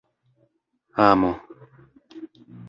amo